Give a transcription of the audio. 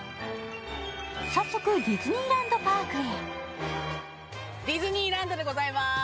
早速、ディズニーランド・パークへ。